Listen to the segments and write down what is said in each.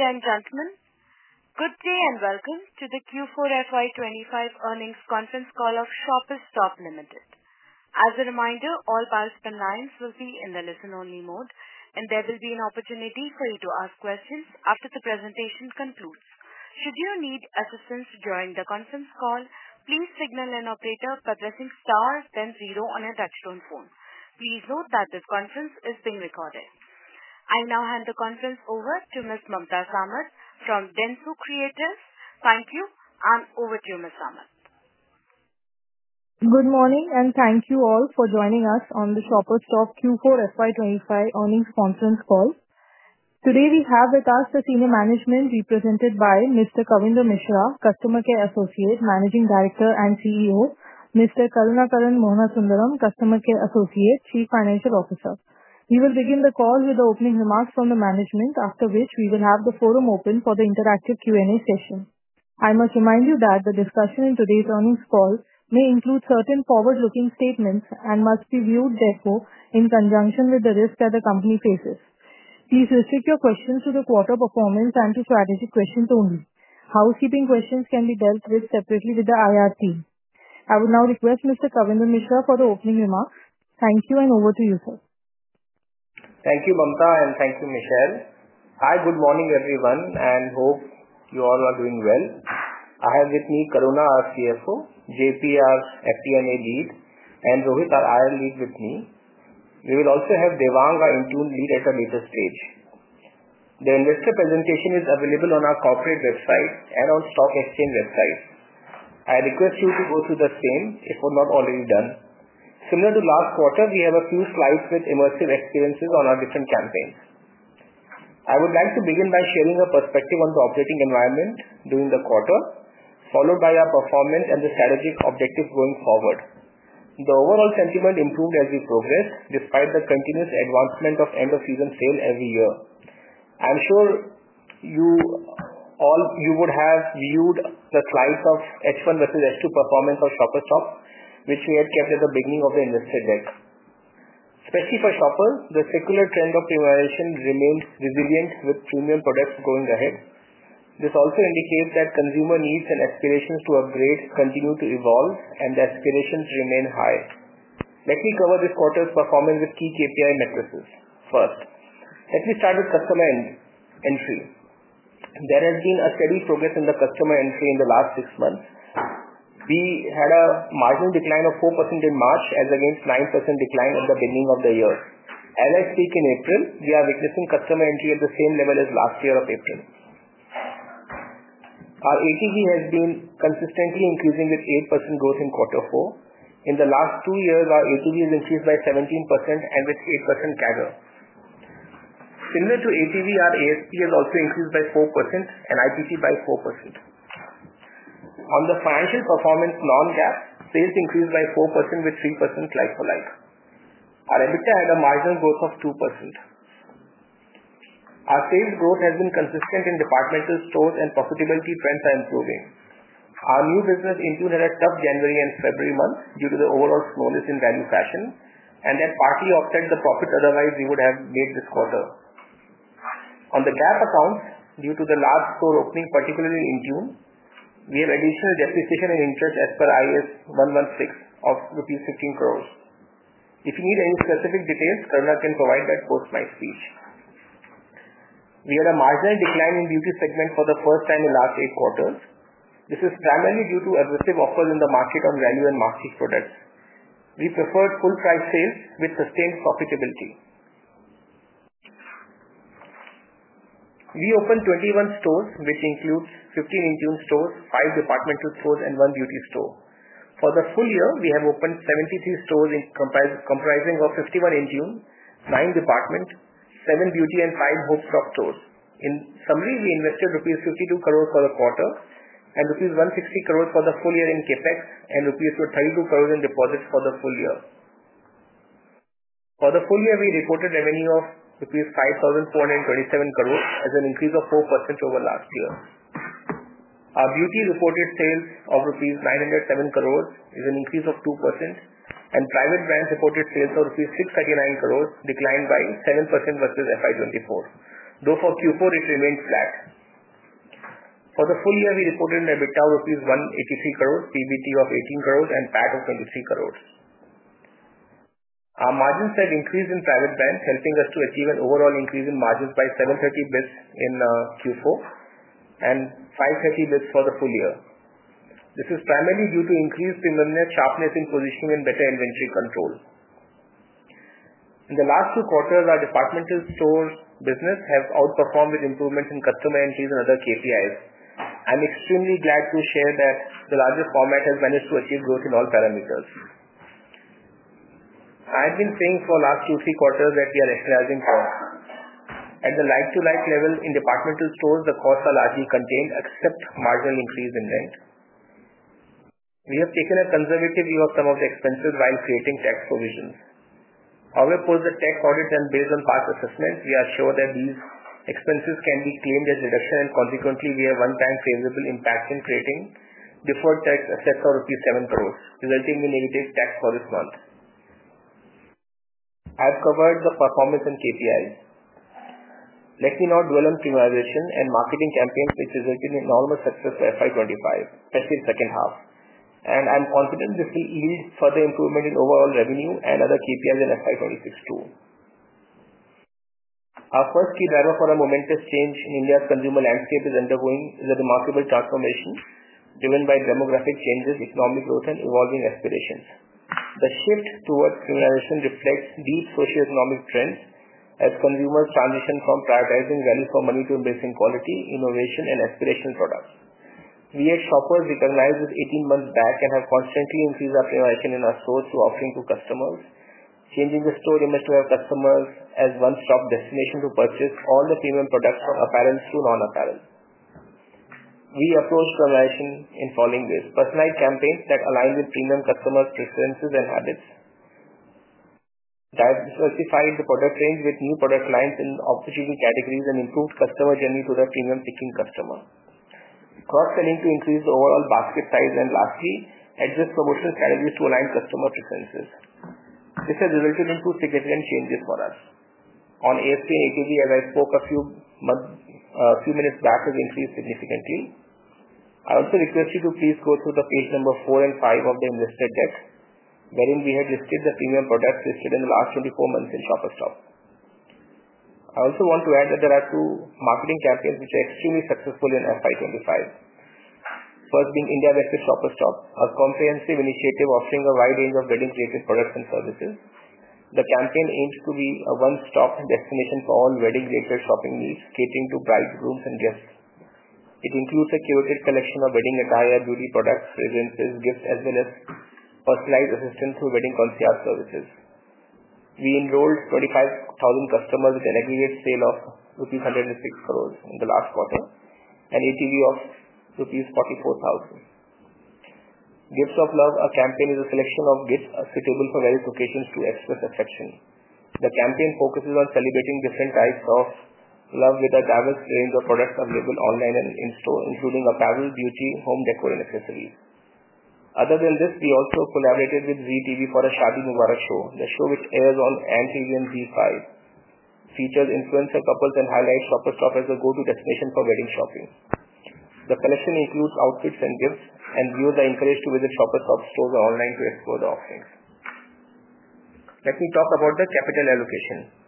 Ladies and gentlemen, good day and welcome to the Q4 FY 2025 earnings conference call of Shoppers Stop Ltd. As a reminder, all participant lines will be in the listen-only mode, and there will be an opportunity for you to ask questions after the presentation concludes. Should you need assistance during the conference call, please signal an operator by pressing star then zero on your touchstone phone. Please note that this conference is being recorded. I now hand the conference over to Ms. Mamta Samat from Dentsu Creatives. Thank you, and over to you, Ms. Samat. Good morning, and thank you all for joining us on the Shoppers Stop Q4 FY 2025 earnings conference call. Today we have with us the senior management represented by Mr. Kavindra Mishra, Customer Care Associate, Managing Director, and CEO; Mr. Karunakaran Mohanasundaram, Customer Care Associate, Chief Financial Officer. We will begin the call with the opening remarks from the management, after which we will have the forum open for the interactive Q&A session. I must remind you that the discussion in today's earnings call may include certain forward-looking statements and must be viewed, therefore, in conjunction with the risk that the company faces. Please restrict your questions to the quarter performance and to strategic questions only. Housekeeping questions can be dealt with separately with the IR team. I would now request Mr. Kavindra Mishra for the opening remarks. Thank you, and over to you, sir. Thank you, Mamta, and thank you, Michelle. Hi, good morning, everyone, and hope you all are doing well. I have with me Karunakaran, our CFO; JP, our FP&A lead; and Rohit, our IR lead with me. We will also have Devang, our interim lead, at a later stage. The investor presentation is available on our corporate website and on the stock exchange website. I request you to go through the same if not already done. Similar to last quarter, we have a few slides with immersive experiences on our different campaigns. I would like to begin by sharing a perspective on the operating environment during the quarter, followed by our performance and the strategic objectives going forward. The overall sentiment improved as we progressed, despite the continuous advancement of end-of-season sales every year. I'm sure you all would have viewed the slides of H1 versus H2 performance of Shoppers Stop, which we had kept at the beginning of the investor deck. Especially for Shoppers Stop, the secular trend of premiumization remained resilient with premium products going ahead. This also indicates that consumer needs and aspirations to upgrade continue to evolve, and the aspirations remain high. Let me cover this quarter's performance with key KPI metrics. First, let me start with customer entry. There has been a steady progress in the customer entry in the last six months. We had a marginal decline of 4% in March, as against a 9% decline at the beginning of the year. As I speak in April, we are witnessing customer entry at the same level as last year of April. Our ATV has been consistently increasing with 8% growth in quarter four. In the last two years, our ATV has increased by 17% and with 8% CAGR. Similar to ATV, our ASP has also increased by 4% and IPC by 4%. On the financial performance non-GAAP, sales increased by 4% with 3% like-for-like. Our EBITDA had a marginal growth of 2%. Our sales growth has been consistent in departmental stores, and profitability trends are improving. Our new business Intune had a tough January and February month due to the overall slowness in value fashion, and that partly offset the profits; otherwise, we would have made this quarter. On the GAAP accounts, due to the large store opening, particularly Intune, we have additional depreciation in interest as per Ind AS 116 of INR 15 crores. If you need any specific details, Karuna can provide that post my speech. We had a marginal decline in beauty segment for the first time in the last eight quarters. This is primarily due to aggressive offers in the market on value and market products. We preferred full-price sales with sustained profitability. We opened 21 stores, which includes 15 Intune stores, five departmental stores, and one beauty store. For the full year, we have opened 73 stores comprising of 51 Intune, nine department, seven beauty, and five [Shoppers Stop] stores. In summary, we invested rupees 52 crores for the quarter and rupees 160 crores for the full year in Capex and rupees 32 crores in deposits for the full year. For the full year, we reported revenue of rupees 5,427 crores as an increase of 4% over last year. Our beauty reported sales of 907 crores rupees is an increase of 2%, and private brands reported sales of 639 crores rupees declined by 7% versus FY 2024. Though for Q4, it remained flat. For the full year, we reported an EBITDA of rupees 183 crores, PBT of 18 crores, and PAT of 23 crores. Our margins have increased in private brands, helping us to achieve an overall increase in margins by 730 basis points in Q4 and 530 basis points for the full year. This is primarily due to increased price sharpness in positioning and better inventory control. In the last two quarters, our departmental store business has outperformed with improvements in customer entries and other KPIs. I'm extremely glad to share that the larger format has managed to achieve growth in all parameters. I have been saying for the last two, three quarters that we are rationalizing costs. At the like-for-like level in departmental stores, the costs are largely contained except marginal increase in rent. We have taken a conservative view of some of the expenses while creating tax provisions. However, post the tax audit and based on past assessments, we are sure that these expenses can be claimed as reduction, and consequently, we have one-time favorable impact in creating deferred tax assets of 7 crore, resulting in negative tax for this month. I've covered the performance and KPIs. Let me now dwell on premiumization and marketing campaigns, which resulted in enormous success for FY 2025, especially in the second half. I am confident this will yield further improvement in overall revenue and other KPIs in FY 2026 too. Our first key driver for a momentous change in India's consumer landscape is undergoing a remarkable transformation driven by demographic changes, economic growth, and evolving aspirations. The shift towards premiumization reflects deep socioeconomic trends as consumers transition from prioritizing value for money to embracing quality, innovation, and aspirational products. We at Shoppers recognize this 18 months back and have constantly increased our premiumization in our stores through offering to customers. Changing the store image to have customers as one-stop destination to purchase all the premium products from apparent to non-apparent. We approached premiumization in following ways: personalized campaigns that align with premium customers' preferences and habits, diversified the product range with new product lines in opportunity categories, and improved customer journey to the premium-picking customer. Cross-selling to increase the overall basket size, and lastly, adverse promotion strategies to align customer preferences. This has resulted in two significant changes for us. On ASP and ATV, as I spoke a few minutes back, has increased significantly. I also request you to please go through the page number four and five of the investor deck, wherein we had listed the premium products listed in the last 24 months in Shoppers Stop. I also want to add that there are two marketing campaigns which are extremely successful in FY 2025. First being India Bride Shoppers Stop, a comprehensive initiative offering a wide range of wedding-related products and services. The campaign aims to be a one-stop destination for all wedding-related shopping needs, catering to brides, grooms, and guests. It includes a curated collection of wedding attire, beauty products, fragrances, gifts, as well as personalized assistance through wedding concierge services. We enrolled 25,000 customers with an aggregate sale of rupees 106 crores in the last quarter and ATV of rupees 44,000. Gifts of Love campaign is a selection of gifts suitable for various occasions to express affection. The campaign focuses on celebrating different types of love with a diverse range of products available online and in store, including apparel, beauty, home decor, and accessories. Other than this, we also collaborated with ZTV for a Shaadi Mubarak show. The show, which airs on &TV and ZEE5, features influencer couples and highlights Shoppers Stop as a go-to destination for wedding shopping. The collection includes outfits and gifts, and viewers are encouraged to visit Shoppers Stop stores online to explore the offerings. Let me talk about the capital allocation.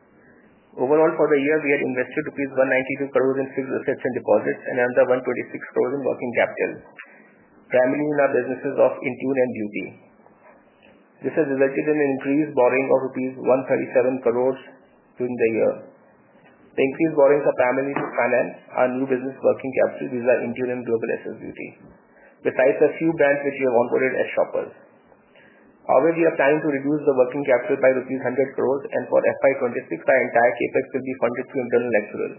Overall, for the year, we had invested INR 192 crores in fixed assets and deposits and another 126 crores in working capital, primarily in our businesses of Intune and beauty. This has resulted in an increased borrowing of INR 137 crores during the year. The increased borrowings are primarily to finance our new business working capital via Intune and Global SS Beauty, besides a few brands which we have onboarded as Shoppers. However, we are planning to reduce the working capital by rupees 100 crore, and for FY 2026, our entire CapEx will be funded through internal accruals.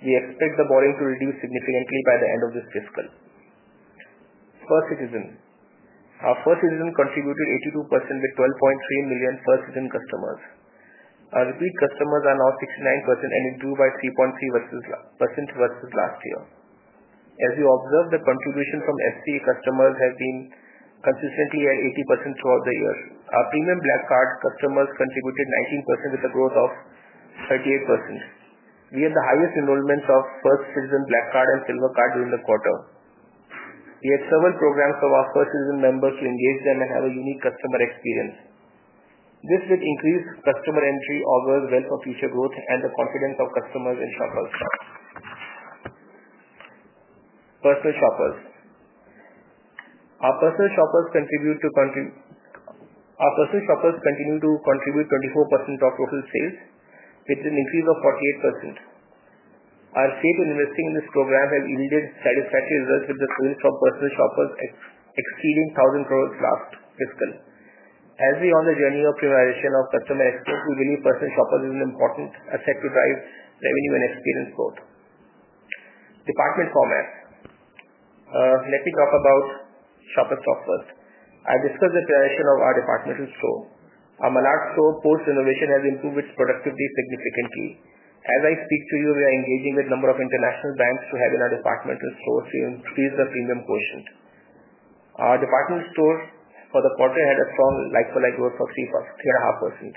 We expect the borrowing to reduce significantly by the end of this fiscal. First Citizen. Our First Citizen contributed 82% with 12.3 million First Citizen customers. Our repeat customers are now 69% and improved by 3.3% versus last year. As you observe, the contribution from FC customers has been consistently at 80% throughout the year. Our premium black card customers contributed 19% with a growth of 38%. We had the highest enrollments of First Citizen black card and silver card during the quarter. We had several programs for our First Citizen members to engage them and have a unique customer experience. This would increase customer entry, augur well for future growth, and the confidence of customers in Shoppers Stop. Personal Shoppers. Our Personal Shoppers continue to contribute 24% of total sales, with an increase of 48%. Our faith in investing in this program has yielded satisfactory results with the sales from Personal Shoppers exceeding 1,000 crore last fiscal. As we are on the journey of premiumization of customer experience, we believe Personal Shoppers is an important asset to drive revenue and experience growth. Department Commerce. Let me talk about Shoppers Stop first. I have discussed the premiumization of our departmental store. Our Malad Store post-renovation has improved its productivity significantly. As I speak to you, we are engaging with a number of international brands to have in our departmental stores to increase the premium quotient. Our departmental store for the quarter had a strong like-for-like growth of 3.5%.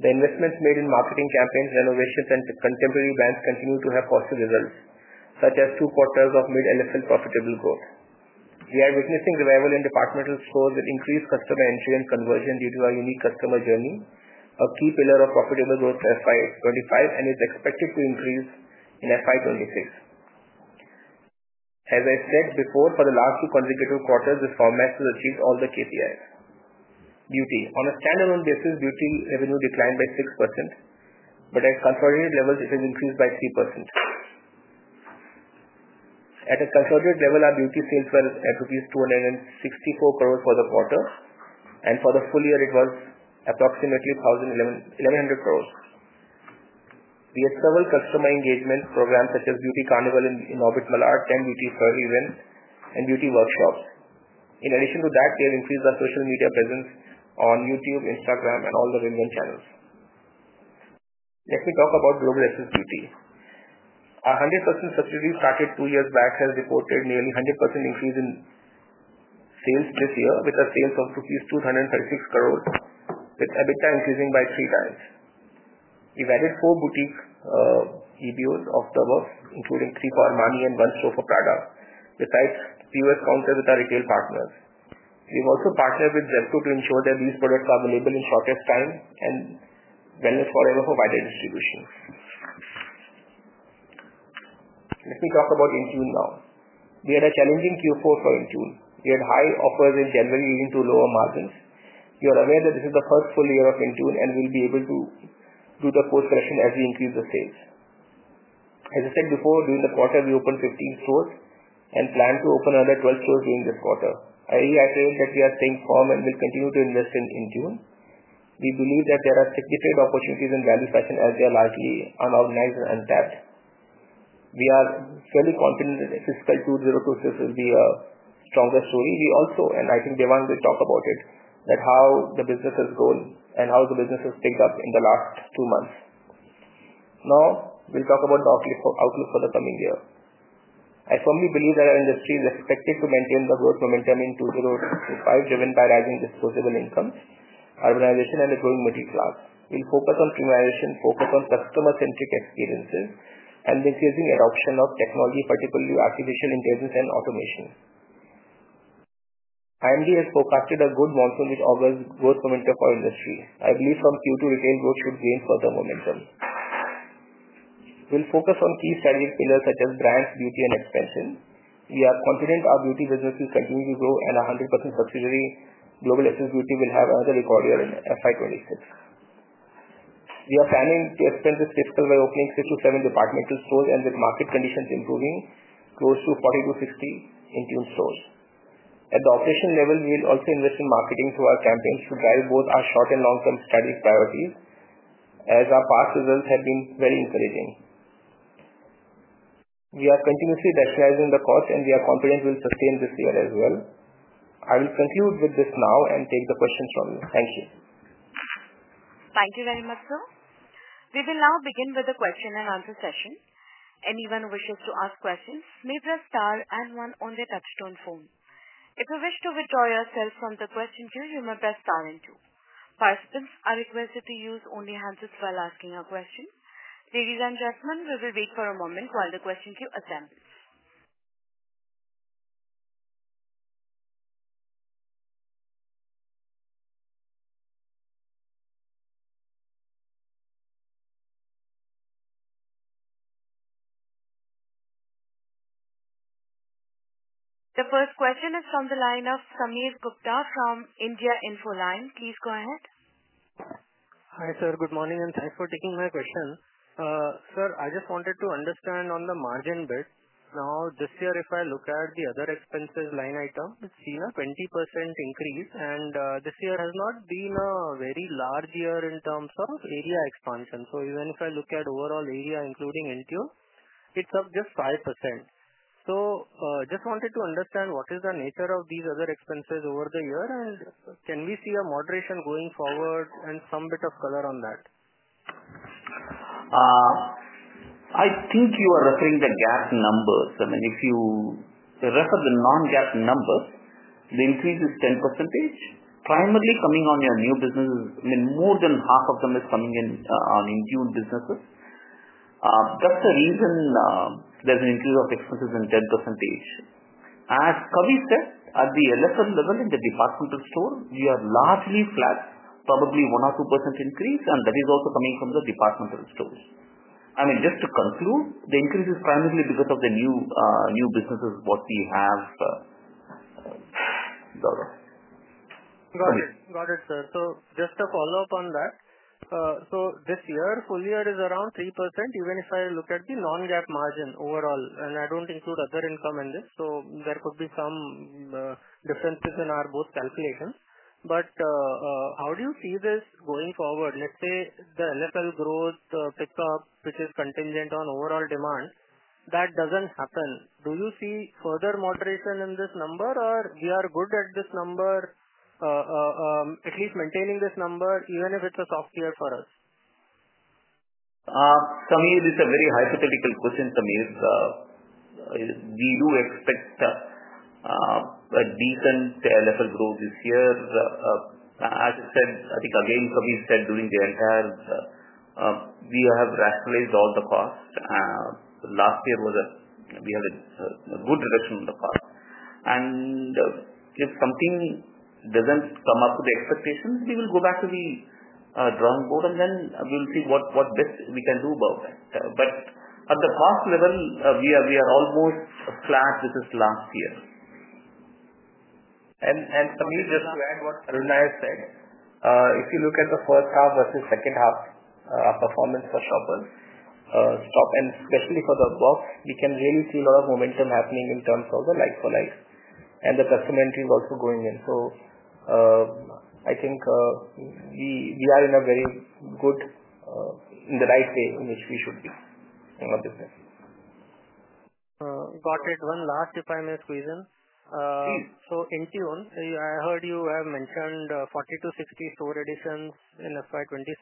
The investments made in marketing campaigns, renovations, and contemporary brands continue to have positive results, such as two quarters of mid-LFL profitable growth. We are witnessing revival in departmental stores with increased customer entry and conversion due to our unique customer journey, a key pillar of profitable growth for FY 2025, and is expected to increase in FY 2026. As I said before, for the last two consecutive quarters, this format has achieved all the KPIs. Beauty. On a standalone basis, beauty revenue declined by 6%, but at consolidated levels, it has increased by 3%. At a consolidated level, our beauty sales were at rupees 264 crores for the quarter, and for the full year, it was approximately 1,100 crores. We had several customer engagement programs such as Beauty Carnival Inorbit Malad, 10 Beauty Fair events, and beauty workshops. In addition to that, we have increased our social media presence on YouTube, Instagram, and all the relevant channels. Let me talk about Global SS Beauty. Our 100% subsidiary started two years back has reported nearly 100% increase in sales this year, with a sales of rupees 236 crores, with EBITDA increasing by three times. We've added four boutique EBOs of the above, including three for Armani and one store for Prada, besides POS counters with our retail partners. We've also partnered with Zepto to ensure that these products are available in shortest time and Wellness Forever for wider distribution. Let me talk about Intune now. We had a challenging Q4 for Intune. We had high offers in January, leading to lower margins. You are aware that this is the first full year of Intune and we'll be able to do the post-selection as we increase the sales. As I said before, during the quarter, we opened 15 stores and plan to open another 12 stores during this quarter. I reiterate that we are staying firm and will continue to invest in Intune. We believe that there are significant opportunities in value fashion as they are largely unorganized and untapped. We are fairly confident that fiscal 2026 will be a stronger story. We also, and I think Devang will talk about it, that how the business has grown and how the business has picked up in the last two months. Now, we'll talk about the outlook for the coming year. I firmly believe that our industry is expected to maintain the growth momentum in 2025 driven by rising disposable income, urbanization, and the growing middle class. We'll focus on premiumization, focus on customer-centric experiences, and the increasing adoption of technology, particularly artificial intelligence and automation. IMD has forecasted a good monsoon, which augurs growth momentum for industry. I believe from Q2, retail growth should gain further momentum. We'll focus on key strategic pillars such as brands, beauty, and expansion. We are confident our beauty business will continue to grow, and our 100% subsidiary Global SS Beauty will have another record year in FY 2026. We are planning to expand this fiscal by opening six to seven departmental stores and with market conditions improving, close to 40-60 Intune stores. At the operational level, we will also invest in marketing through our campaigns to drive both our short and long-term strategic priorities, as our past results have been very encouraging. We are continuously rationalizing the cost, and we are confident we'll sustain this year as well. I will conclude with this now and take the questions from you. Thank you. Thank you very much, sir. We will now begin with the question and answer session. Anyone who wishes to ask questions may press star and one on the touchstone phone. If you wish to withdraw yourself from the question queue, you may press star and two. Participants are requested to use only hands while asking a question. Ladies and gentlemen, we will wait for a moment while the question queue assembles. The first question is from the line of Sameer Gupta from India Infoline. Please go ahead. Hi sir, good morning and thanks for taking my question. Sir, I just wanted to understand on the margin bit. Now, this year, if I look at the other expenses line item, it's seen a 20% increase, and this year has not been a very large year in terms of area expansion. Even if I look at overall area, including Intune, it's up just 5%. I just wanted to understand what is the nature of these other expenses over the year, and can we see a moderation going forward and some bit of color on that? I think you are referring to the GAAP numbers. I mean, if you refer to the non-GAAP numbers, the increase is 10%, primarily coming on your new businesses. I mean, more than half of them is coming in on Intune businesses. That's the reason there's an increase of expenses in 10%. As Kavindra said, at the LFL level in the departmental store, we are largely flat, probably 1% or 2% increase, and that is also coming from the departmental stores. I mean, just to conclude, the increase is primarily because of the new businesses what we have. Got it. Got it, sir. Just to follow up on that, this year, full year is around 3%, even if I look at the non-GAAP margin overall, and I do not include other income in this, so there could be some differences in our both calculations. How do you see this going forward? Let's say the LFL growth pickup, which is contingent on overall demand, that does not happen. Do you see further moderation in this number, or we are good at this number, at least maintaining this number, even if it is a soft year for us? Sameer, this is a very hypothetical question, Sameer. We do expect a decent LFL growth this year. As I said, I think, again, Kavindra said during the entire, we have rationalized all the costs. Last year was a, we had a good reduction in the cost. If something does not come up to the expectations, we will go back to the drawing board, and then we will see what best we can do about that. At the cost level, we are almost flat this last year. Sameer, just to add what Karunakaran has said, if you look at the first half versus second half performance for Shoppers Stop, and especially for the box, we can really see a lot of momentum happening in terms of the like-for-like, and the customer entry is also going in. I think we are in a very good, in the right way in which we should be in our business. Got it. One last, if I may squeeze in. Please. Intune, I heard you have mentioned 40-60 store additions in FY 2026.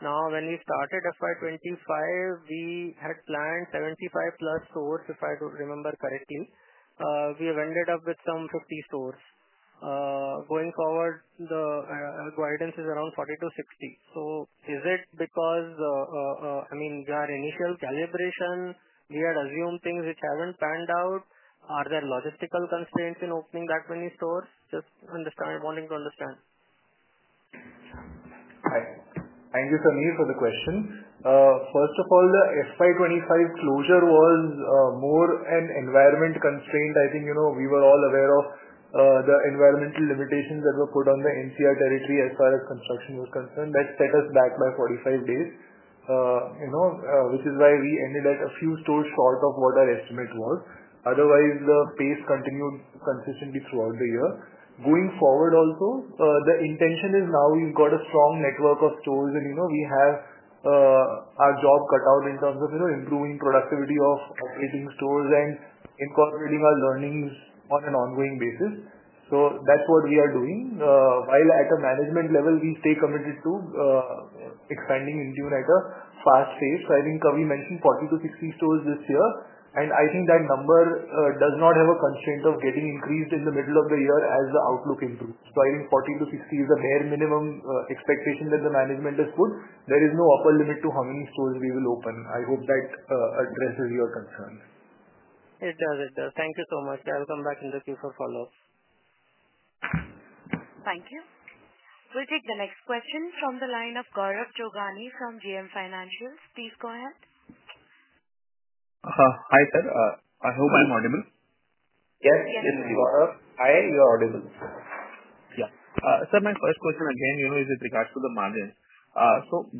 Now, when we started FY 2025, we had planned 75 plus stores, if I remember correctly. We have ended up with some 50 stores. Going forward, the guidance is around 40-60. Is it because, I mean, your initial calibration, we had assumed things which have not panned out? Are there logistical constraints in opening that many stores? Just wanting to understand. Hi. Thank you, Sameer, for the question. First of all, the FY 2025 closure was more an environment constraint. I think we were all aware of the environmental limitations that were put on the NCR territory as far as construction was concerned. That set us back by 45 days, which is why we ended at a few stores short of what our estimate was. Otherwise, the pace continued consistently throughout the year. Going forward also, the intention is now we have got a strong network of stores, and we have our job cut out in terms of improving productivity of operating stores and incorporating our learnings on an ongoing basis. That is what we are doing. While at a management level, we stay committed to expanding Intune at a fast pace. I think Kavindra mentioned 40-60 stores this year, and I think that number does not have a constraint of getting increased in the middle of the year as the outlook improves. I think 40-60 is a bare minimum expectation that the management has put. There is no upper limit to how many stores we will open. I hope that addresses your concerns. It does. It does. Thank you so much. I'll come back in the queue for follow-up. Thank you. We'll take the next question from the line of Gaurav Jogani from JM Financial. Please go ahead. Hi sir. I hope I'm audible. Yes. Yes, you are. Hi, you're audible. Y eah. Sir, my first question again is with regards to the margins.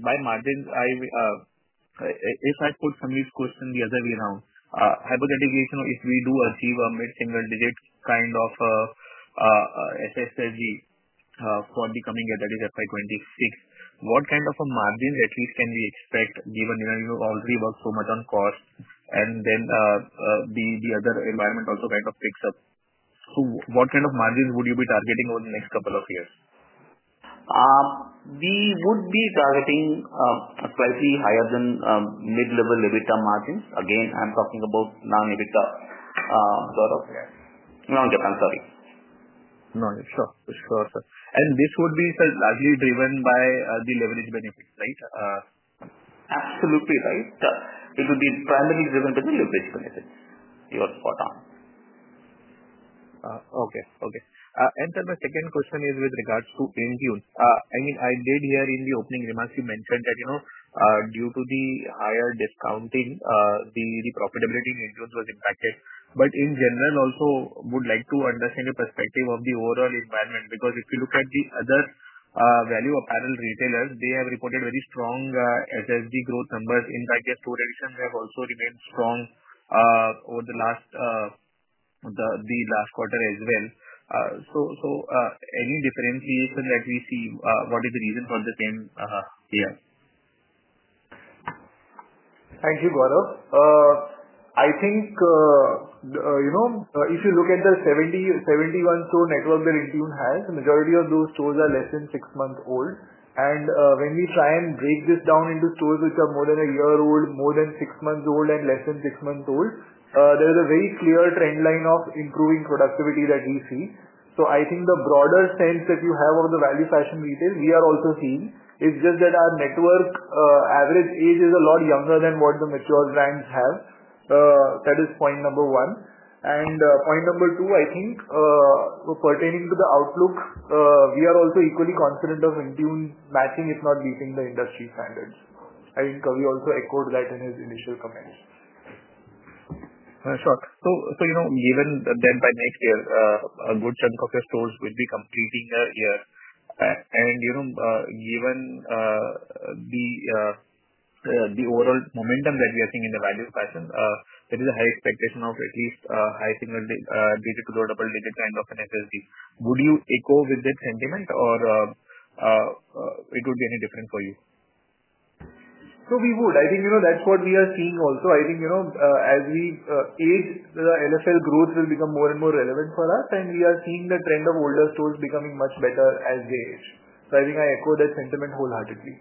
By margins, if I put Sameer's question the other way around, hypothetically, if we do achieve a mid-single digit kind of SSSG for the coming year, that is FY 2026, what kind of margins at least can we expect, given you already work so much on cost, and then the other environment also kind of picks up? What kind of margins would you be targeting over the next couple of years? We would be targeting slightly higher than mid-level EBITDA margins. Again, I'm talking about non-EBITDA sort of. Not EBITDA, sorry. Not EBITDA. Sure, sure. This would be largely driven by the leverage benefits, right? Absolutely right. It would be primarily driven by the leverage benefits. You are spot on. Okay. Okay. Sir, my second question is with regards to Intune. I mean, I did hear in the opening remarks you mentioned that due to the higher discounting, the profitability in Intune was impacted. In general, also, would like to understand your perspective of the overall environment, because if you look at the other value apparel retailers, they have reported very strong SSG growth numbers. In fact, their store additions have also remained strong over the last quarter as well. Any differentiation that we see, what is the reason for the same here? Thank you, Gaurav. I think if you look at the 71 store network that Intune has, the majority of those stores are less than six months old. When we try and break this down into stores which are more than a year old, more than six months old, and less than six months old, there is a very clear trend line of improving productivity that we see. I think the broader sense that you have of the value fashion retail, we are also seeing, is just that our network average age is a lot younger than what the mature brands have. That is point number one. Point number two, I think pertaining to the outlook, we are also equally confident of Intune matching, if not beating, the industry standards. I think Kavindra also echoed that in his initial comments. Sure. Given that by next year, a good chunk of your stores will be completing a year, and given the overall momentum that we are seeing in the value fashion, there is a high expectation of at least high single digit to low double digit kind of an SSSG. Would you echo with that sentiment, or would it be any different for you? We would. I think that's what we are seeing also. I think as we age, the LFL growth will become more and more relevant for us, and we are seeing the trend of older stores becoming much better as they age. I echo that sentiment wholeheartedly.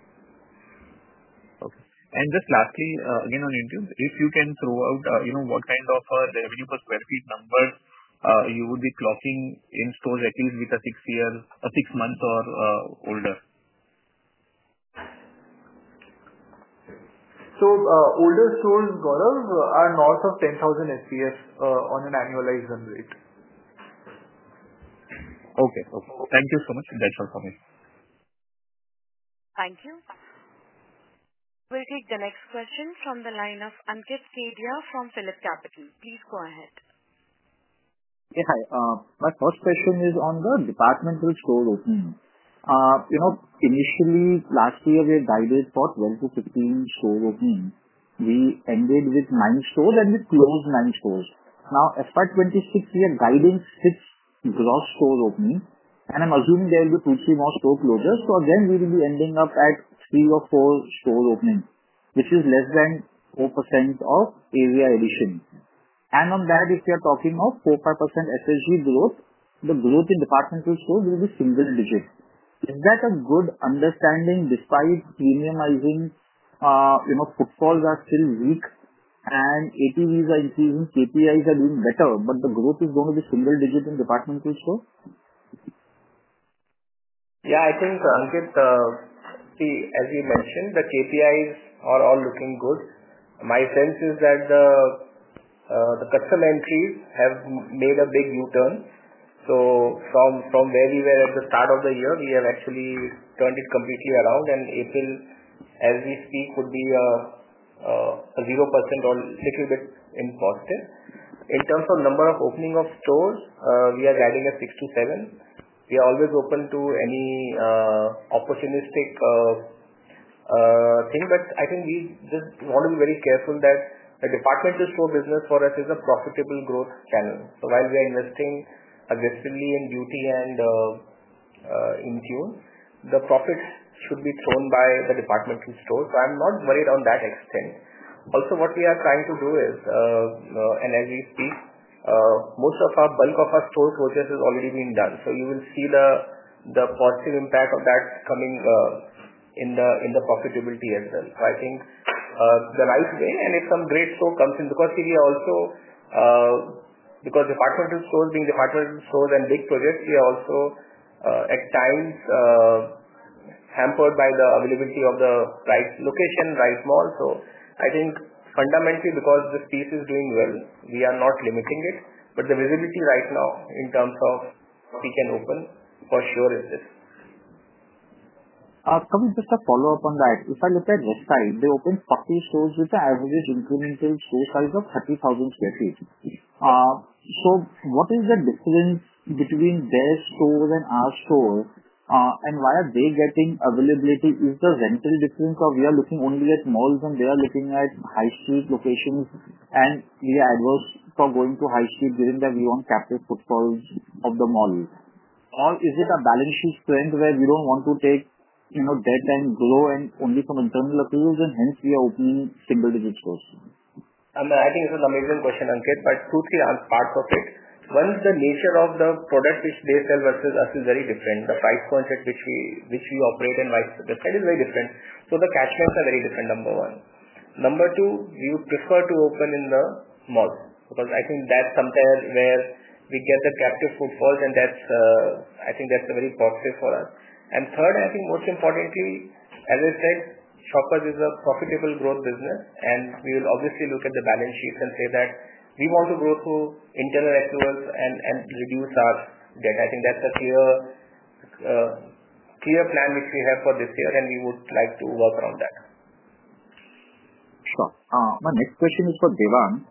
Okay. Just lastly, again on Intune, if you can throw out what kind of revenue per sq ft numbers you would be clocking in stores at least with a six-month or older? Older stores, Gaurav, are north of 10,000 SPS on an annualized rate. Okay. Okay. Thank you so much. That's all for me. Thank you. We'll take the next question from the line of Ankit Kedia from Philip Capital. Please go ahead. Yeah. Hi. My first question is on the departmental store opening. Initially, last year, we had guided for 12-15 store openings. We ended with nine stores, and we closed nine stores. Now, FY 2026, we are guiding six gross store openings, and I'm assuming there will be two-three more store closures. So again, we will be ending up at three or four store openings, which is less than 4% of area addition. On that, if you're talking of 4-5% SSG growth, the growth in departmental stores will be single digit. Is that a good understanding despite premiumizing? Footballs are still weak, and ATVs are increasing. KPIs are doing better, but the growth is going to be single digit in departmental stores? Yeah. I think, Ankit, see, as you mentioned, the KPIs are all looking good. My sense is that the customer entries have made a big U-turn. From where we were at the start of the year, we have actually turned it completely around, and April, as we speak, would be a 0% or a little bit in positive. In terms of number of opening of stores, we are guiding at six to seven. We are always open to any opportunistic thing, but I think we just want to be very careful that the departmental store business for us is a profitable growth channel. While we are investing aggressively in beauty and Intune, the profits should be thrown by the departmental stores. I am not worried on that extent. Also, what we are trying to do is, and as we speak, most of our bulk of our store closures has already been done. You will see the positive impact of that coming in the profitability as well. I think the right way, and if some great store comes in, because here we are also, because departmental stores being departmental stores and big projects, we are also at times hampered by the availability of the right location, right mall. I think fundamentally, because this piece is doing well, we are not limiting it. The visibility right now in terms of what we can open for sure is this. Kavindra, just a follow-up on that. If I look at Westside, they opened 40 stores with an average incremental store size of 30,000 sq ft. What is the difference between their stores and our stores, and why are they getting availability? Is the rental difference, or are we looking only at malls, and they are looking at high street locations, and are we adverse for going to high street given that we want captive footfalls of the mall? Is it a balance sheet trend where we do not want to take debt and grow and only some internal approvals, and hence we are opening single digit stores? I think this is an amazing question, Ankit, but truthfully, on parts of it, once the nature of the product which they sell versus us is very different, the price concept which we operate and vice versa is very different. The catchments are very different, number one. Number two, we would prefer to open in the mall because I think that's somewhere where we get the captive footfalls, and I think that's very positive for us. Third, I think most importantly, as I said, Shoppers is a profitable growth business, and we will obviously look at the balance sheets and say that we want to grow through internal accruals and reduce our debt. I think that's a clear plan which we have for this year, and we would like to work around that. Sure. My next question is for Devang.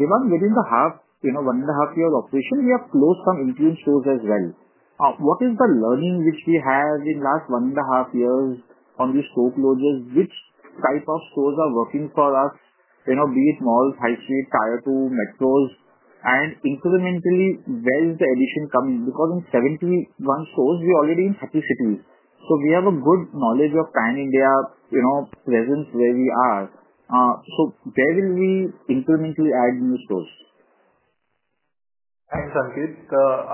Devang, within the half, one and a half years operation, we have closed some Intune stores as well. What is the learning which we have in the last one and a half years on these store closures? Which type of stores are working for us, be it malls, high street, tier two, metros, and incrementally, where is the addition coming? Because in 71 stores, we are already in 30 cities. We have a good knowledge of Pan India presence where we are. Where will we incrementally add new stores? Thanks, Ankit.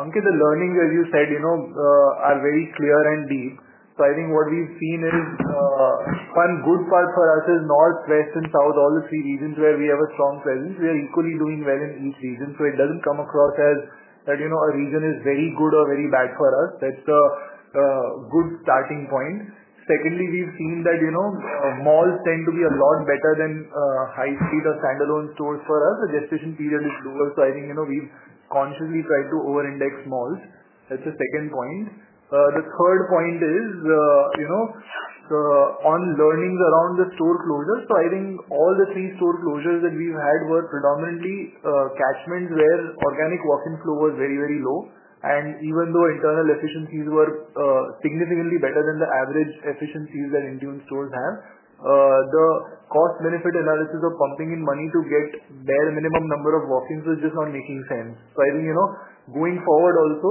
Ankit, the learnings, as you said, are very clear and deep. I think what we've seen is one good part for us is north, west, and south, all the three regions where we have a strong presence. We are equally doing well in each region, so it doesn't come across as a region is very good or very bad for us. That's a good starting point. Secondly, we've seen that malls tend to be a lot better than high street or standalone stores for us. The gestation period is lower, so I think we've consciously tried to over-index malls. That's the second point. The third point is on learnings around the store closures. I think all the three store closures that we've had were predominantly catchments where organic walk-in flow was very, very low. Even though internal efficiencies were significantly better than the average efficiencies that Intune stores have, the cost-benefit analysis of pumping in money to get their minimum number of walk-ins was just not making sense. I think going forward also,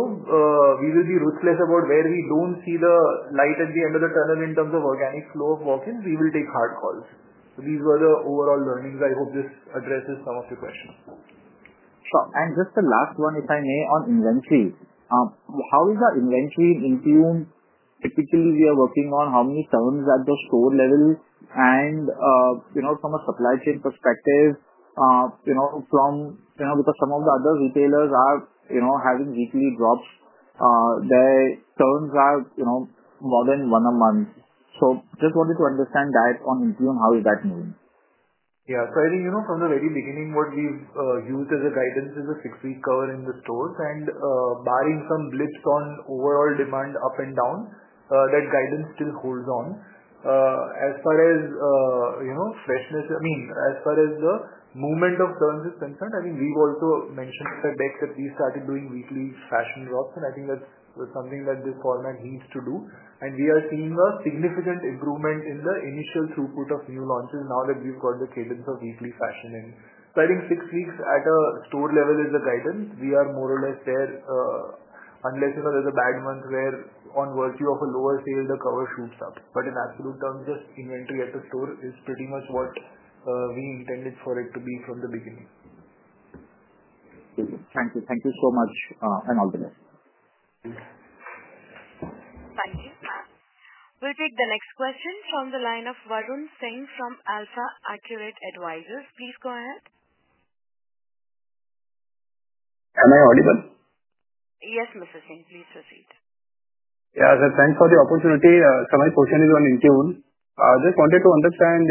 we will be ruthless about where we don't see the light at the end of the tunnel in terms of organic flow of walk-ins. We will take hard calls. These were the overall learnings. I hope this addresses some of your questions. Sure. Just the last one, if I may, on inventory. How is our inventory in Intune? Typically, we are working on how many terms at the store level, and from a supply chain perspective, because some of the other retailers are having weekly drops, their terms are more than one a month. Just wanted to understand that on Intune, how is that moving? Yeah. I think from the very beginning, what we've used as a guidance is a six-week cover in the stores, and barring some blips on overall demand up and down, that guidance still holds on. As far as freshness, I mean, as far as the movement of terms is concerned, I think we've also mentioned at Beck's that we started doing weekly fashion drops, and I think that's something that this format needs to do. We are seeing a significant improvement in the initial throughput of new launches now that we've got the cadence of weekly fashion in. I think six weeks at a store level is a guidance. We are more or less there, unless there's a bad month where on virtue of a lower sale, the cover shoots up. In absolute terms, just inventory at the store is pretty much what we intended for it to be from the beginning. Thank you. Thank you so much and all the best. Thank you. We'll take the next question from the line of Varun Singh from Alpha Accurate Advisors. Please go ahead. Am I audible? Yes, Mr. Singh, please proceed. Yeah. Thanks for the opportunity. My question is on Intune. I just wanted to understand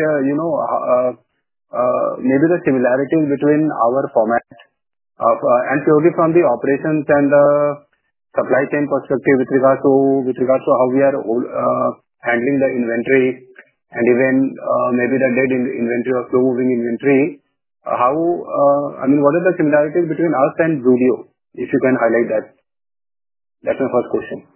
maybe the similarities between our format and purely from the operations and the supply chain perspective with regards to how we are handling the inventory and even maybe the dead inventory or slow-moving inventory. I mean, what are the similarities between us and Zudio, if you can highlight that? That's my first question.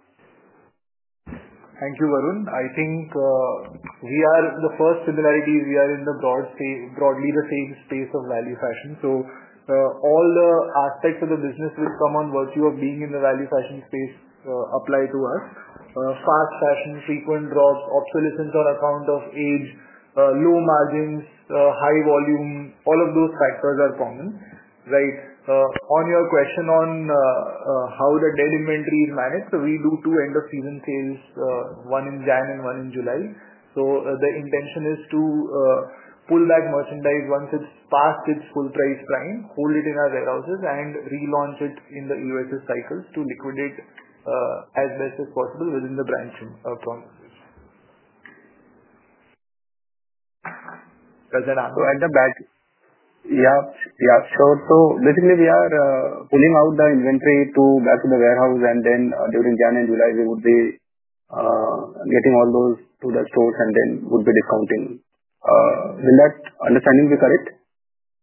Thank you, Varun. I think the first similarities, we are in broadly the same space of value fashion. So all the aspects of the business which come on virtue of being in the value fashion space apply to us. Fast fashion, frequent drops, obsolescence on account of age, low margins, high volume, all of those factors are common. Right. On your question on how the dead inventory is managed, we do two end-of-season sales, one in January and one in July. The intention is to pull back merchandise once it's past its full price prime, hold it in our warehouses, and relaunch it in the USS cycles to liquidate as best as possible within the branching of our business. Does that answer? At the back, yeah, yeah. Basically, we are pulling out the inventory back to the warehouse, and then during January and July, we would be getting all those to the stores and then would be discounting. Will that understanding be correct?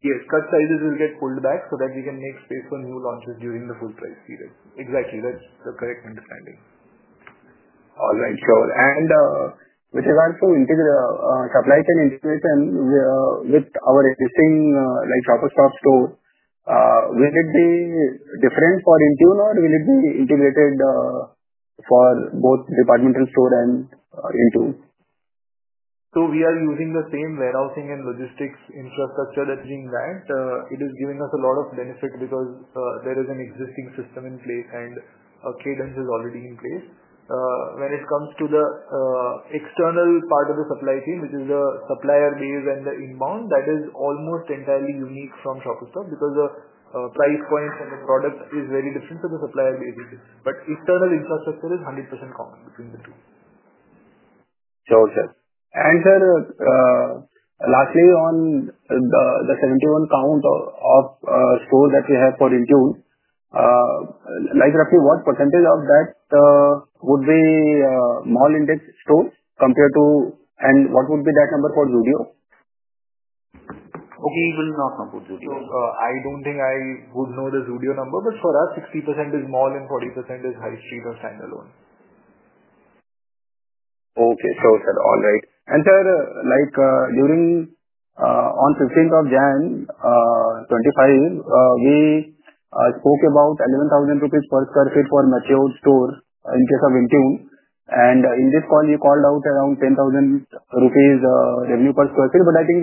Yes. Cut sizes will get pulled back so that we can make space for new launches during the full price period. Exactly. That's the correct understanding. All right. Sure. With regards to supply chain integration with our existing Shoppers Stop store, will it be different for Intune, or will it be integrated for both departmental store and Intune? We are using the same warehousing and logistics infrastructure. Doing that, it is giving us a lot of benefit because there is an existing system in place, and cadence is already in place. When it comes to the external part of the supply chain, which is the supplier base and the inbound, that is almost entirely unique from Shoppers Stop because the price points and the product is very different from the supplier base. Internal infrastructure is 100% common between the two. Sure. Sure. Lastly, on the 71 count of stores that we have for Intune, roughly what percentage of that would be mall index stores compared to, and what would be that number for Zudio? We will not know for Zudio. I do not think I would know the Zudio number, but for us, 60% is mall and 40% is high street or standalone. Okay. Sure. All right. Sir, on 15th of January 2025, we spoke about 11,000 rupees per sq ft for matured store in case of Intune. In this call, you called out around 10,000 rupees revenue per sq ft, but I think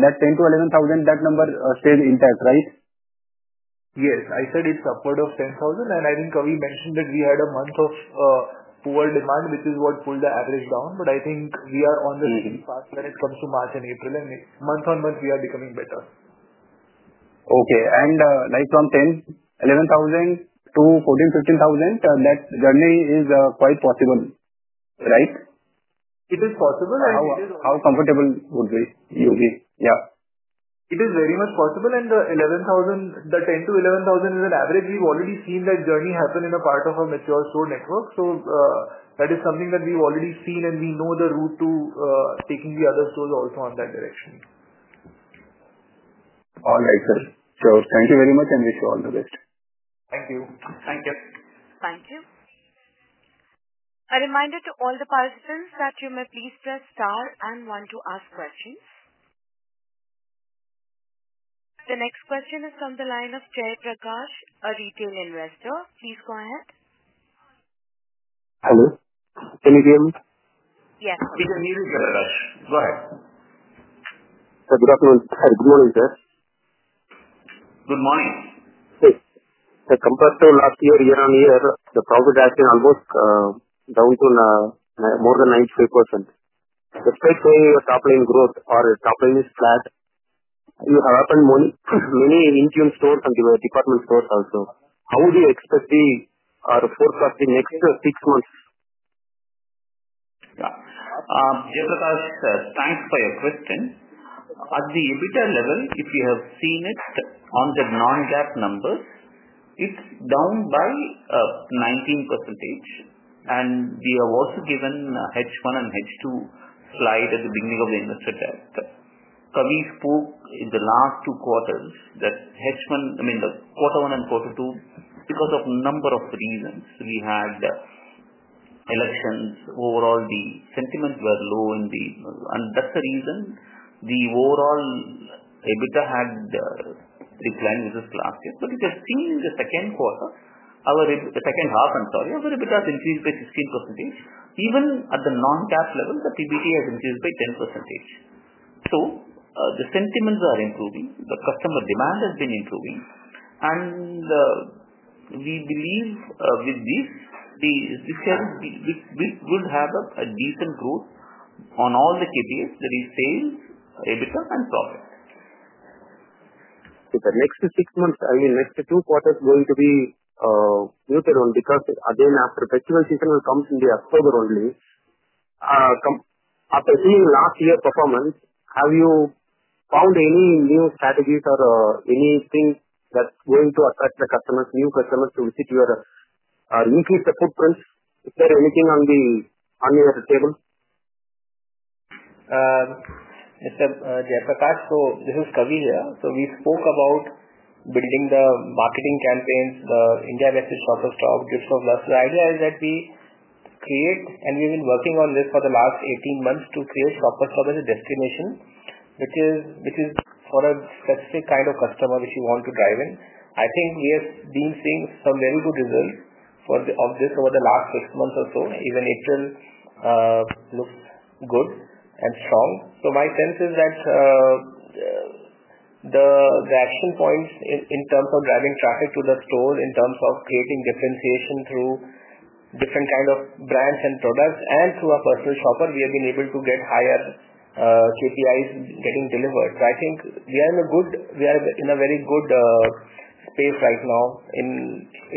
that 10,000-11,000, that number stayed intact, right? Yes. I said it is upward of 10,000, and I think we mentioned that we had a month of poor demand, which is what pulled the average down, but I think we are on the same path when it comes to March and April, and month on month, we are becoming better. Okay. From 10,000-11,000 to 14,000-15,000, that journey is quite possible, right? It is possible, and it is also— How comfortable would you be? Yeah. It is very much possible, and the 10,000-11,000 is an average. We've already seen that journey happen in a part of our mature store network, so that is something that we've already seen, and we know the route to taking the other stores also on that direction. All right, sir. Sure. Thank you very much, and wish you all the best. Thank you. Thank you. Thank you. A reminder to all the participants that you may please press star and one to ask questions. The next question is from the line of Jay Prakash, a retail investor. Please go ahead. Hello? Can you hear me? Yes, sir. We can hear you, Prakash. Go ahead. Good afternoon. Hi. Good morning, sir. Good morning. Sir, compared to last year, year on year, the profit has been almost down to more than 95%. Let's say your top-line growth or top-line is flat. You have opened many Intune stores and department stores also. How would you expect the forecast in the next six months? Yeah. Jay Prakash, thanks for your question. At the EBITDA level, if you have seen it on the non-GAAP numbers, it's down by 19%, and we have also given H1 and H2 slide at the beginning of the investor chart. Kavindra spoke in the last two quarters that H1, I mean, the quarter one and quarter two, because of a number of reasons. We had elections. Overall, the sentiments were low in the—and that's the reason the overall EBITDA had declined versus last year. If you're seeing the second quarter, the second half, I'm sorry, our EBITDA has increased by 16%. Even at the non-GAAP level, the PBT has increased by 10%. The sentiments are improving. The customer demand has been improving, and we believe with this, this year we would have a decent growth on all the KPIs, that is sales, EBITDA, and profit. Is the next six months, I mean, next two quarters going to be muted on because again, after festival, season will come in the October only. After seeing last year's performance, have you found any new strategies or anything that's going to attract the customers, new customers, to visit your weekly footprints? Is there anything on your table? Mr. Jay Prakash, this is Kavindra here. We spoke about building the marketing campaigns, the India Bride Shoppers Stop, Gifts of Love. The idea is that we create, and we've been working on this for the last 18 months to create Shoppers Stop as a destination, which is for a specific kind of customer which you want to drive in. I think we have been seeing some very good results of this over the last six months or so. Even April looks good and strong. My sense is that the action points in terms of driving traffic to the store, in terms of creating differentiation through different kinds of brands and products, and through our personal shopper, we have been able to get higher KPIs getting delivered. I think we are in a good—we are in a very good space right now in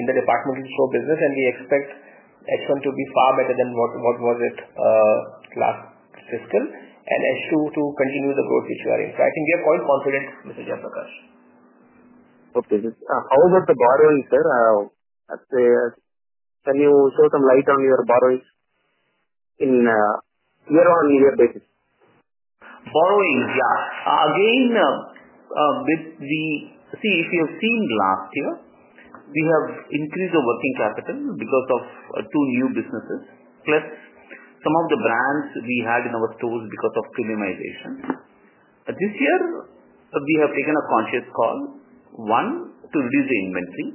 the departmental store business, and we expect H1 to be far better than what was it last fiscal and H2 to continue the growth which we are in. I think we are quite confident, Mr. Jay Prakash. Okay. How about the borrowing, sir? Can you show some light on your borrowings in year-on-year basis? Borrowing, yeah. Again, see, if you've seen last year, we have increased the working capital because of two new businesses, plus some of the brands we had in our stores because of premiumization. This year, we have taken a conscious call, one, to reduce the inventory,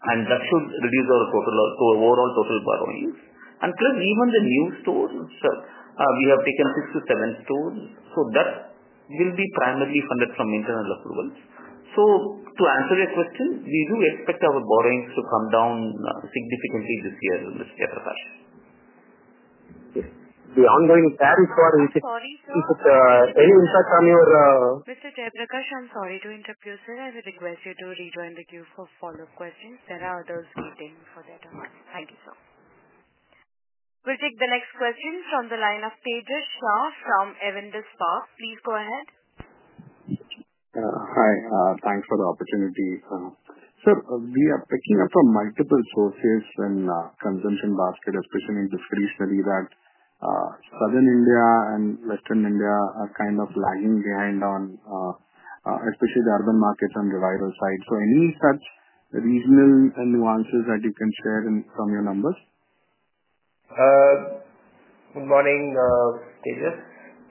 and that should reduce our overall total borrowings. Plus, even the new stores itself, we have taken six to seven stores, so that will be primarily funded from internal approvals. To answer your question, we do expect our borrowings to come down significantly this year, Mr. Jay Prakash. The ongoing tariff war, is it any impact on your— Mr. Jay Prakash, I'm sorry to interrupt you, sir. I will request you to rejoin the queue for follow-up questions. There are others waiting for that. Thank you, sir. We'll take the next question from the line of Tejas Shah from Avendus Spark. Please go ahead. Hi. Thanks for the opportunity. Sir, we are picking up from multiple sources and consumption basket, especially in this regional area, that Southern India and Western India are kind of lagging behind on, especially the urban markets on the viral side. Any such regional nuances that you can share from your numbers? Good morning, Tejas.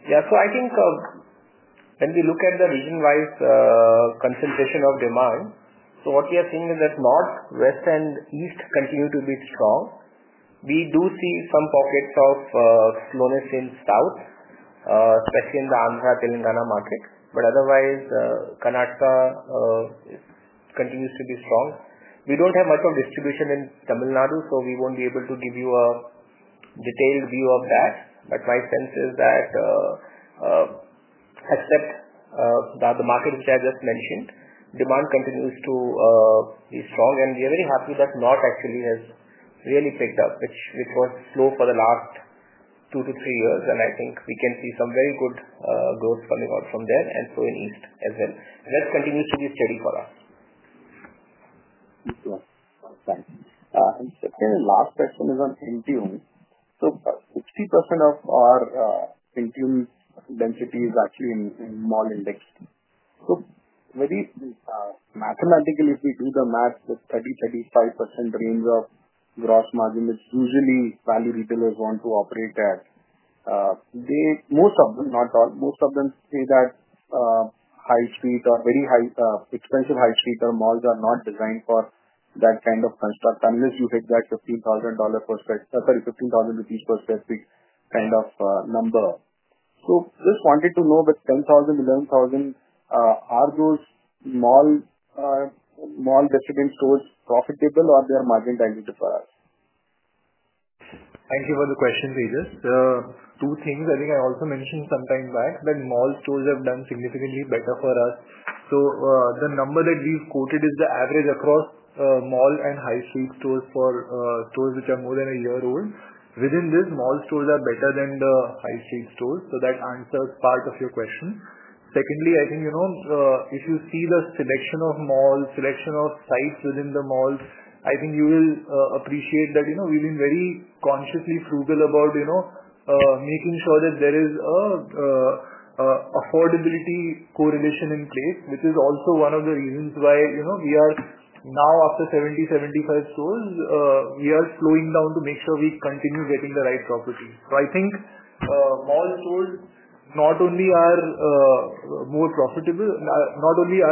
Yeah. I think when we look at the region-wide concentration of demand, what we are seeing is that North, West, and East continue to be strong. We do see some pockets of slowness in South, especially in the Andhra Pradesh-Telangana market, but otherwise, Karnataka continues to be strong. We don't have much of distribution in Tamil Nadu, so we won't be able to give you a detailed view of that, but my sense is that, except the market which I just mentioned, demand continues to be strong, and we are very happy that North actually has really picked up, which was slow for the last two to three years. I think we can see some very good growth coming out from there, and in East as well. West continues to be steady for us. Thanks. Second and last question is on Intune. 60% of our Intune density is actually in mall index. Very mathematically, if we do the math, the 30-35% range of gross margin is usually value retailers want to operate at. Most of them, not all, most of them say that high street or very expensive high street or malls are not designed for that kind of construct unless you hit that INR 15,000 per sq ft kind of number. Just wanted to know with 10,000-11,000, are those mall distribution stores profitable, or they are margin-divided for us? Thank you for the question, Pejesh. Two things. I think I also mentioned some time back that mall stores have done significantly better for us. The number that we've quoted is the average across mall and high street stores for stores which are more than a year old. Within this, mall stores are better than the high street stores, so that answers part of your question. Secondly, I think if you see the selection of malls, selection of sites within the malls, I think you will appreciate that we've been very consciously frugal about making sure that there is an affordability correlation in place, which is also one of the reasons why we are now, after 70-75 stores, we are slowing down to make sure we continue getting the right properties. I think mall stores not only are more profitable, not only are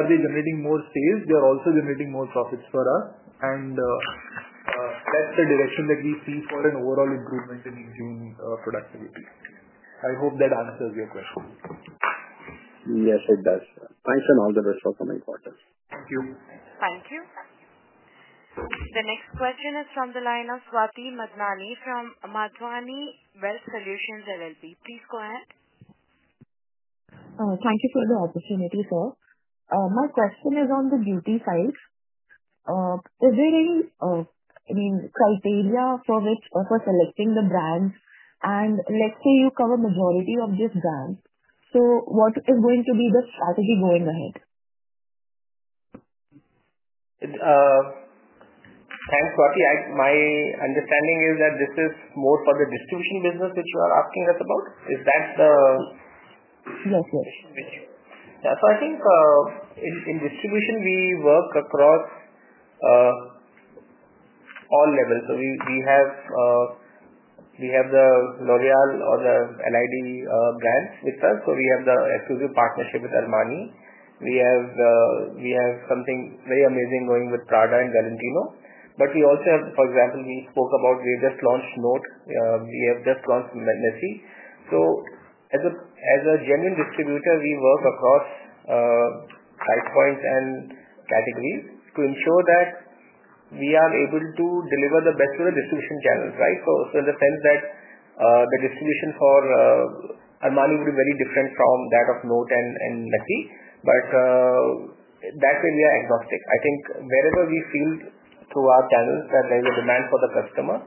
they generating more sales, they are also generating more profits for us, and that's the direction that we see for an overall improvement in Intune productivity. I hope that answers your question. Yes, it does. Thanks and all the best for coming forward. Thank you. Thank you. The next question is from the line of Swati Madnani from Madhwani Wealth Solutions Thank you for the opportunity, sir. My question is on the beauty side. Is there any, I mean, criteria for selecting the brands? Let's say you cover majority of these brands, so what is going to be the strategy going ahead? Thanks, Swati. My understanding is that this is more for the distribution business which you are asking us about. Is that the— Yes, yes. Yeah. I think in distribution, we work across all levels. We have the L'Oréal or the LID brands with us, we have the exclusive partnership with Armani. We have something very amazing going with Prada and Valentino. We also have, for example, we spoke about, we have just launched Note. We have just launched MESSI. As a genuine distributor, we work across price points and categories to ensure that we are able to deliver the best through the distribution channels, right? In the sense that the distribution for Armani would be very different from that of Note and MESSI, but that way we are agnostic. I think wherever we feel through our channels that there is a demand for the customer,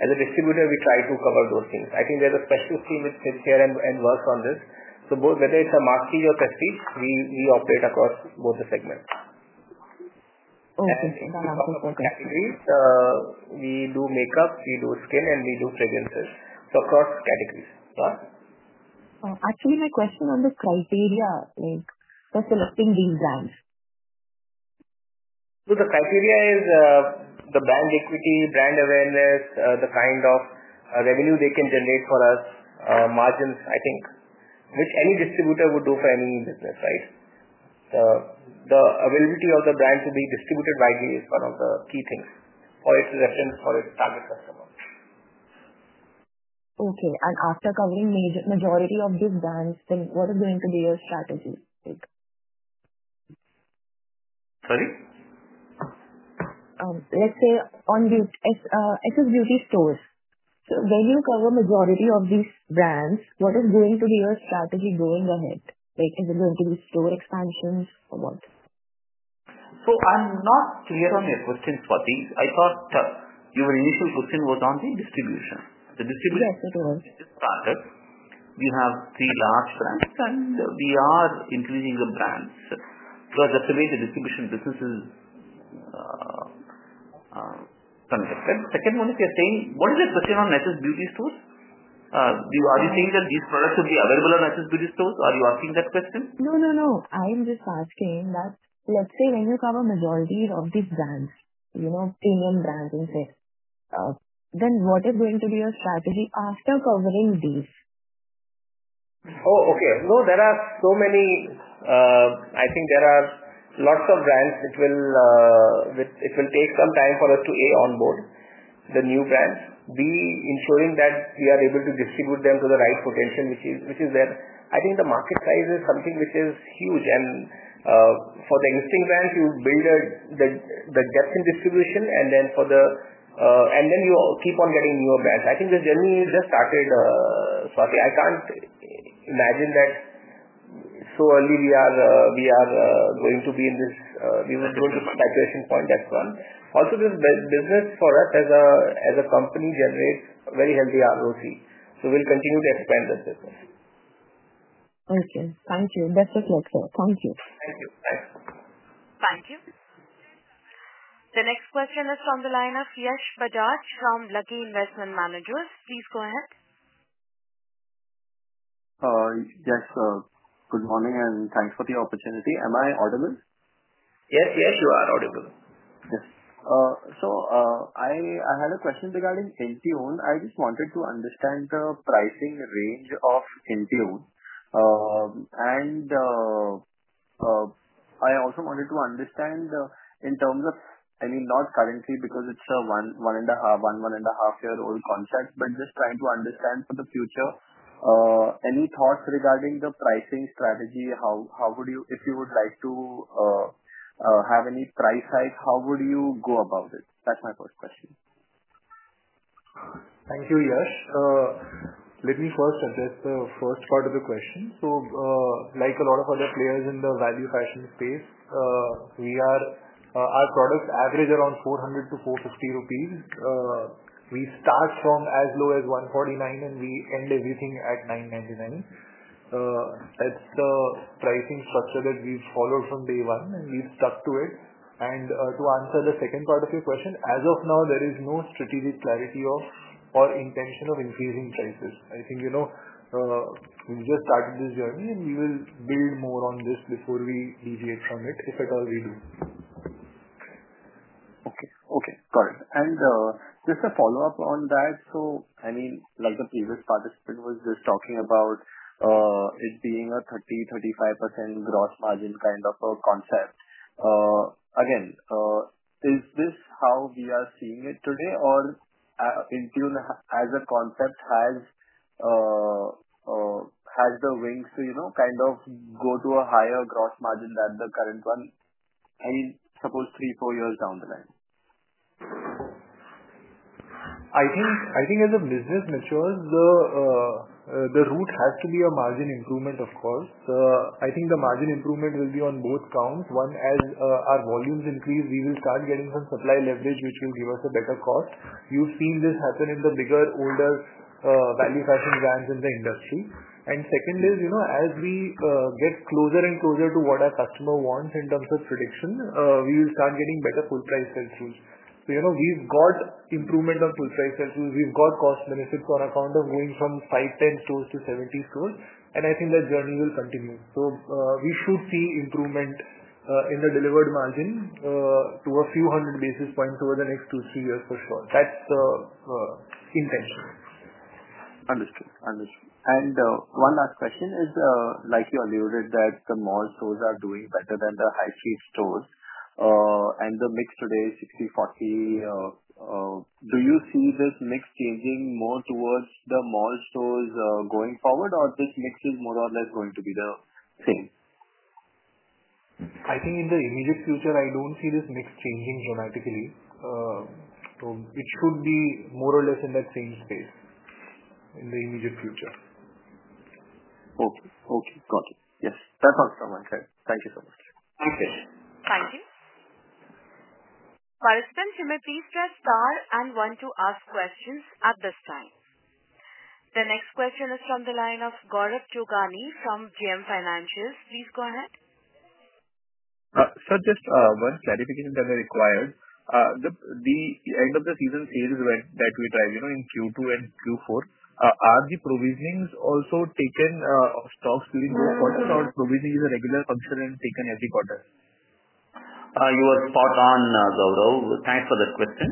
as a distributor, we try to cover those things. I think there's a specialist team that sits here and works on this. Whether it's a masstige or prestige, we operate across both the segments. Okay. For the categories, we do makeup, we do skin, and we do fragrances. Across categories. Yeah? Actually, my question is on the criteria for selecting these brands. The criteria is the brand equity, brand awareness, the kind of revenue they can generate for us, margins, which any distributor would do for any business, right? The availability of the brand to be distributed widely is one of the key things for its reference, for its target customers. Okay. After covering the majority of these brands, what is going to be your strategy? Sorry? Let's say, on these SS Beauty stores. When you cover the majority of these brands, what is going to be your strategy going ahead? Is it going to be store expansions or what? I'm not clear on your question, Swati. I thought your initial question was on the distribution. The distribution- Yes, it was. -is the startup. We have three large brands, and we are increasing the brands to a definite distribution business is conducted. Second one, if you're saying, what is your question on SS Beauty stores? Are you saying that these products will be available on SS Beauty stores? Are you asking that question? No, no, no. I'm just asking that let's say when you cover the majority of these brands, premium brands and such, then what is going to be your strategy after covering these? Oh, okay. No, there are so many. I think there are lots of brands that will take some time for us to, A, onboard the new brands, B, ensuring that we are able to distribute them to the right potential, which is there. I think the market size is something which is huge, and for the existing brands, you build the depth in distribution, and then you keep on getting newer brands. I think this journey just started, Swati. I can't imagine that so early we are going to be in this—we were going to the saturation point at one. Also, this business for us as a company generates a very healthy ROC, so we'll continue to expand this business. Okay. Thank you. That's [a good question]. Thank you. Thank you. Thanks. Thank you. The next question is from the line of Yash Bajaj from Lucky Investment Managers. Please go ahead. Yes. Good morning, and thanks for the opportunity. Am I audible? Yes, yes, you are audible. Yes. I had a question regarding Intune. I just wanted to understand the pricing range of Intune, and I also wanted to understand in terms of—I mean, not currently because it's a one and a half-year-old concept, but just trying to understand for the future, any thoughts regarding the pricing strategy? How would you—if you would like to have any price hike, how would you go about it? That's my first question. Thank you, Yash. Let me first address the first part of the question. Like a lot of other players in the value fashion space, our products average around 400-450 rupees. We start from as low as 149, and we end everything at 999. That is the pricing structure that we have followed from day one, and we have stuck to it. To answer the second part of your question, as of now, there is no strategic clarity or intention of increasing prices. I think we have just started this journey, and we will build more on this before we deviate from it, if at all we do. Okay. Okay. Got it. Just a follow-up on that. I mean, like the previous participant was just talking about it being a 30-35% gross margin kind of a concept. Again, is this how we are seeing it today, or Intune as a concept has the wings to kind of go to a higher gross margin than the current one? I mean, suppose three, four years down the line. I think as the business matures, the route has to be a margin improvement, of course. I think the margin improvement will be on both counts. One, as our volumes increase, we will start getting some supply leverage, which will give us a better cost. You've seen this happen in the bigger, older value fashion brands in the industry. Second is, as we get closer and closer to what our customer wants in terms of prediction, we will start getting better full-price sell-throughs. So we've got improvement on full-price sell-throughs. We've got cost benefits on account of going from five, 10 stores to 70 stores, and I think that journey will continue. We should see improvement in the delivered margin to a few hundred basis points over the next two, three years for sure. That's the intention. Understood. Understood. One last question is, like you alluded that the mall stores are doing better than the high street stores, and the mix today is 60, 40. Do you see this mix changing more towards the mall stores going forward, or this mix is more or less going to be the same? I think in the immediate future, I don't see this mix changing dramatically. It should be more or less in that same space in the immediate future. Okay. Okay. Got it. Yes. That's all from my side. Thank you so much. Thank you. Thank you. Participants, you may please press star and want to ask questions at this time. The next question is from the line of Gaurav Jogani from JM Financial. Please go ahead. Sir, just one clarification that I required. The end of the season sales that we drive in Q2 and Q4, are the provisionings also taken of stocks during quarters? Or provisioning is a regular function and taken every quarter? You are spot on, Gaurav. Thanks for that question.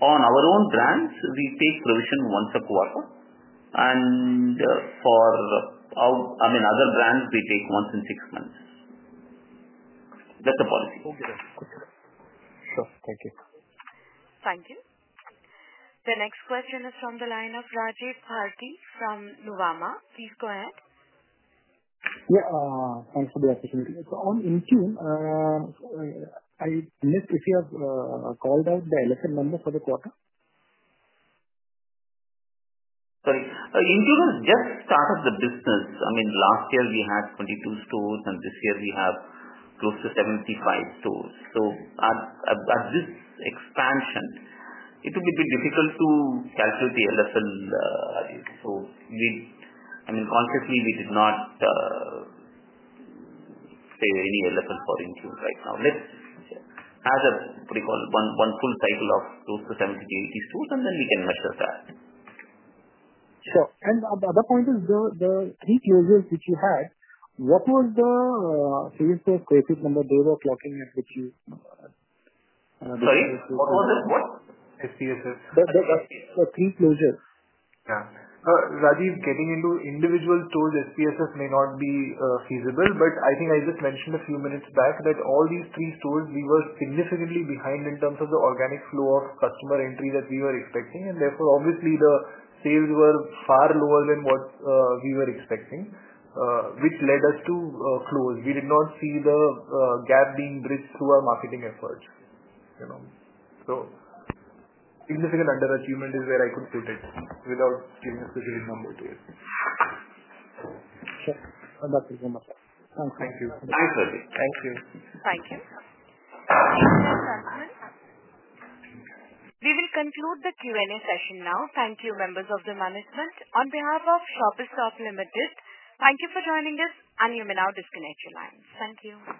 On our own brands, we take provision once a quarter, and for, I mean, other brands, we take once in six months. That's the policy. Okay. Sure. Thank you. Thank you. The next question is from the line of Rajiv Bharati from Nuvama. Please go ahead. Yeah. Thanks for the opportunity. On Intune, I missed if you have called out the LFL number for the quarter. Sorry. Intune has just started the business. I mean, last year we had 22 stores, and this year we have close to 75 stores. At this expansion, it will be a bit difficult to calculate the LFL. I mean, consciously, we did not say any LFL for Intune right now. Let's have a, what do you call it, one full cycle of close to 70-80 stores, and then we can measure that. Sure. The other point is the three closures which you had. What was the [CSS, KSF] number they were clocking at which you— Sorry? What was it? What? SPSF. The three closures. Yeah. Rajiv, getting into individual stores, SPSF may not be feasible, but I think I just mentioned a few minutes back that all these three stores, we were significantly behind in terms of the organic flow of customer entry that we were expecting, and therefore, obviously, the sales were far lower than what we were expecting, which led us to close. We did not see the gap being bridged through our marketing efforts. Significant underachievement is where I could put it without giving a specific number to it. Sure. [That's okay]. Thank you. Thanks, Rajiv. Thank you. Thank you. We will conclude the Q&A session now. Thank you, members of the management. On behalf of Shoppers Stop Ltd, thank you for joining us, and you may now disconnect your lines. Thank you.